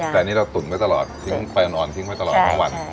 แต่อันนี้เราตุ๋นไว้ตลอดทิ้งไปนอนทิ้งไว้ตลอดทั้งวัน